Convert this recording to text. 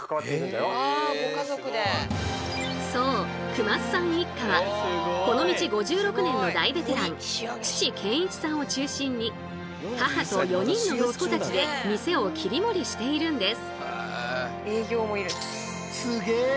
熊須さん一家はこの道５６年の大ベテラン父健一さんを中心に母と４人の息子たちで店を切り盛りしているんです。